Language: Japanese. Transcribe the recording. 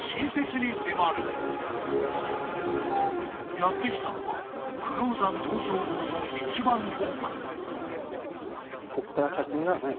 ［やって来たのは久能山東照宮の一番奥］